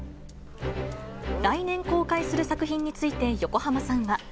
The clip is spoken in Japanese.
来年公開する作品について、横浜さんは。